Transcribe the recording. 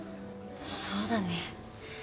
そうだね。